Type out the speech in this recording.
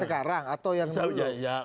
sekarang atau yang sebelumnya